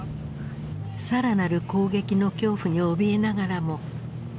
更なる攻撃の恐怖におびえながらも船は救出に向かう。